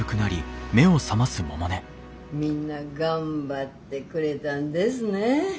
みんな頑張ってくれたんですね。